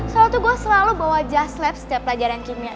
soalnya tuh gue selalu bawa just lab setiap pelajaran kimia